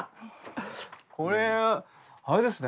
これあれですね